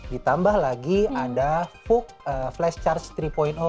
ditambah lagi ada fook flash charge tiga